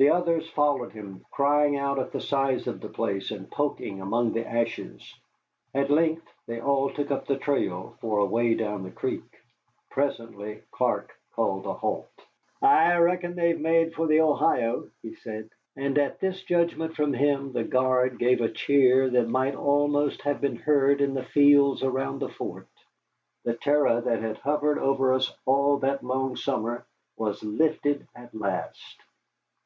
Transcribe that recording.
The others followed him, crying out at the size of the place and poking among the ashes. At length they all took up the trail for a way down the creek. Presently Clark called a halt. "I reckon that they've made for the Ohio," he said. And at this judgment from him the guard gave a cheer that might almost have been heard in the fields around the fort. The terror that had hovered over us all that long summer was lifted at last.